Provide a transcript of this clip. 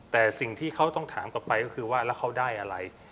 แต่สิ่งที่เขาต้องถามกลับไปก็คือว่าแล้วเขาได้อะไร